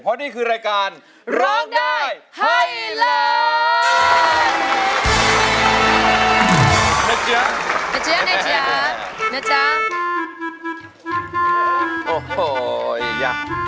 เพราะนี่คือรายการร้องได้ให้ล้าน